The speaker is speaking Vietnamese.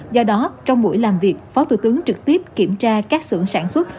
do đó trong buổi làm việc phó thủ tướng trực tiếp kiểm tra các xưởng sản xuất